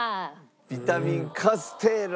ビタミンカステーラ。